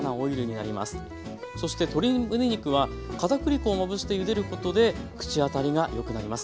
そして鶏むね肉は片栗粉をまぶしてゆでることで口当たりがよくなります。